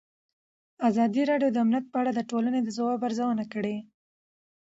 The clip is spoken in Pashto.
ازادي راډیو د امنیت په اړه د ټولنې د ځواب ارزونه کړې.